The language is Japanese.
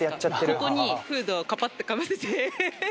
ここにフードをカパッてかぶせてヘヘヘヘ！